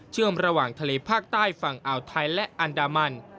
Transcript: เชื่อมระหว่างทะเลภาคใต้ฝั่งออธัยและอันดามัน